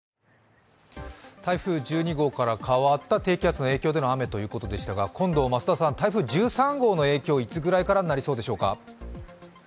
台風１２号から変わった低気圧の影響による雨ということでしたが今度増田さん台風１３号の影響はいつぐらいからになりそうでしょうか。